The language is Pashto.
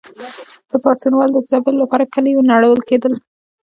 د پاڅونوالو د ځپلو لپاره کلي نړول کېدل.